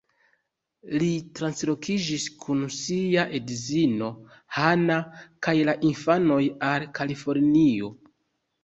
Li translokiĝis kun sia edzino Hana kaj la infanoj al Kalifornio.